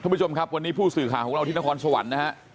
ผู้ชมครับวันนี้ผู้สื่อข่าวของเราที่นครสวรรค์นะฮะ